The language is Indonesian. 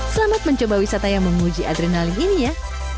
selamat mencoba wisata yang memuji adrenalin ini ya